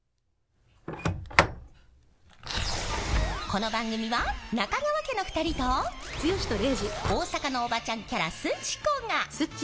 この番組は中川家の２人と大阪のおばちゃんキャラすち子が